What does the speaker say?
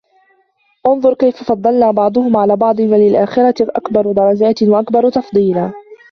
انظر كيف فضلنا بعضهم على بعض وللآخرة أكبر درجات وأكبر تفضيلا